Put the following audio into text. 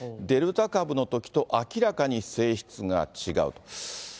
デルタ株のときと明らかに性質が違うと。